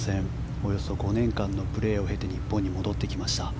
およそ５年間のプレーを経て日本に戻ってきました。